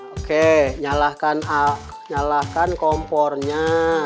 oke nyalahkan kompornya